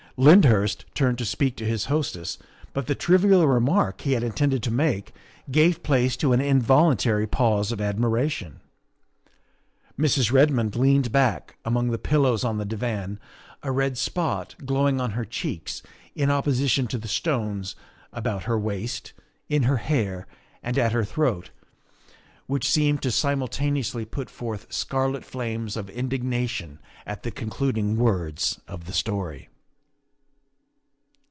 Lyndhurst turned to speak to his hostess, but the trivial remark he had intended to make gave place to an involuntary pause of admiration. Mrs. Redmond leaned back among the pillows on the divan, a red spot glowing on her cheeks in opposition to the stones about her waist, in her hair, and at her throat, which seemed 136 THE WIFE OF to simultaneously put forth scarlet flames of indigna tion at the concluding words of the story.